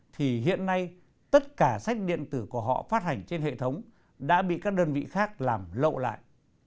thì hiện nay tất cả sách điện tử của họ phát hành trên hệ thống đã bị các đơn vị khác làm lậu lại